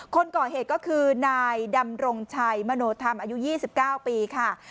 คนก่อเหตุก็คือนายดำรงชัยมโนธรรมอายุ๒๙ปีค่ะ